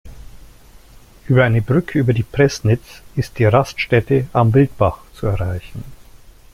Über eine Brücke über die Preßnitz ist die Raststätte „Am Wildbach“ zu erreichen.